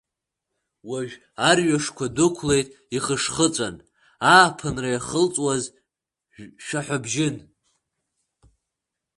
Уажә арҩашқәа дәықәлеит ихышхыҵәан, ааԥынра иахылҵуаз шәаҳәабжьын.